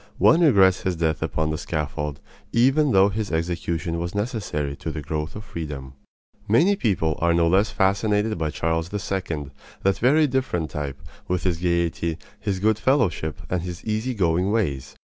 One regrets his death upon the scaffold, even though his execution was necessary to the growth of freedom. Many people are no less fascinated by Charles II., that very different type, with his gaiety, his good fellowship, and his easy going ways.